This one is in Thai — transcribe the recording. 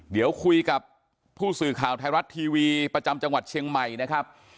เดี๋ยวคุยกับผู้สื่อข่าวไทยรัฐทีวีประจำจังหวัดเชียงใหม่นะครับ